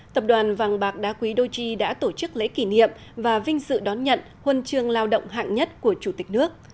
tập đoàn vàng bạc đá quý đô chi đã tổ chức lễ kỷ niệm và vinh sự đón nhận huân chương lao động hạng nhất của chủ tịch nước